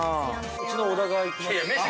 ◆うちの小田がいきます。